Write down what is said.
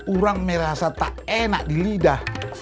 orang merasa tak enak di lidah